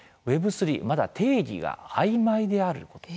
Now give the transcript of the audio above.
Ｗｅｂ３まだ定義があいまいであること。